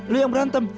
lu yang berantem